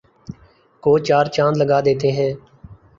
کو چار چاند لگا دیتے ہیں